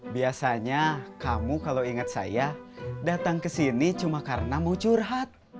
biasanya kamu kalau ingat saya datang ke sini cuma karena mau curhat